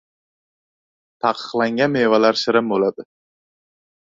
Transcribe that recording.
• Taqiqlangan mevalar shirin bo‘ladi.